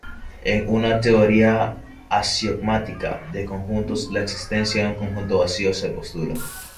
En una teoría axiomática de conjuntos, la existencia de un conjunto vacío se postula.